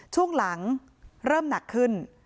ช่วงหลังเริ่มหนักขึ้น